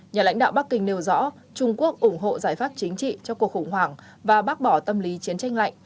nhà lãnh đạo bắc kinh nêu rõ trung quốc ủng hộ giải pháp chính trị cho cuộc khủng hoảng và bác bỏ tâm lý chiến tranh lạnh